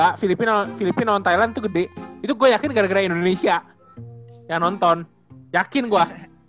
ya filipino filipino thailand itu gede itu gue yakin gara gara indonesia yang nonton yakin gua